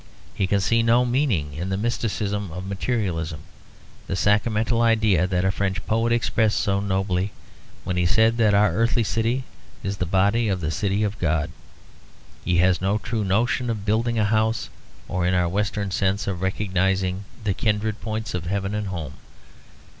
He can see no meaning in the mysticism of materialism, the sacramental idea that a French poet expressed so nobly, when he said that our earthly city is the body of the city of God. He has no true notion of building a house, or in our Western sense of recognising the kindred points of heaven and home.